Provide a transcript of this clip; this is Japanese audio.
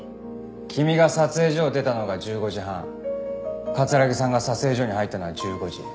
君が撮影所を出たのが１５時半城さんが撮影所に入ったのは１５時。